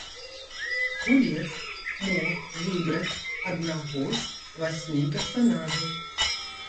Гулец мог выбраць аднаго з васьмі персанажаў.